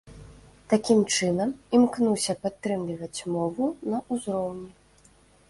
Такім чынам імкнуся падтрымліваць мову на ўзроўні.